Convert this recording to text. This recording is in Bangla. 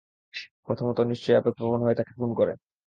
প্রথমতম, নিশ্চয়ই আবেগপ্রবণ হয়ে তাকে খুন করে।